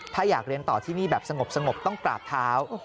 ถ้าอยากเรียนต่อที่นี่แบบสงบต้องกราบเท้า